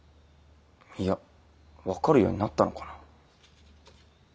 いや分かるようになったのかな？